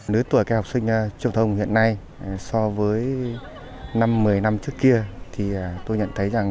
nếu tuổi cái học sinh trung học hiện nay so với năm một mươi năm trước kia thì tôi nhận thấy rằng